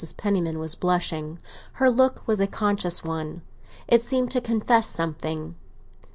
Penniman was blushing; her look was a conscious one; it seemed to confess something.